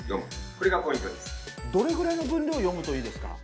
どれぐらいの分量読むといいですか？